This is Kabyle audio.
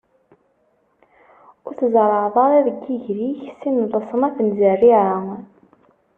Ur tzerrɛeḍ ara deg yiger-ik sin n leṣnaf n zerriɛa.